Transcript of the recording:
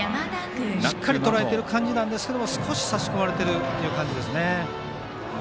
しっかりとらえてる感じなんですけど少し差し込まれてるという感じですね。